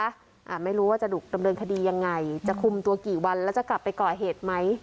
อ่าไม่รู้ว่าจะถูกดำเนินคดียังไงจะคุมตัวกี่วันแล้วจะกลับไปก่อเหตุไหม